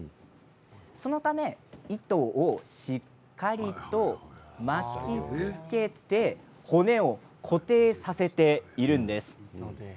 そのため糸をしっかりと巻き付けて骨を固定させているんです。